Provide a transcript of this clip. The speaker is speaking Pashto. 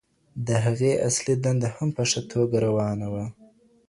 د هغې اصلي دنده هم په ښه توګه روانه وه.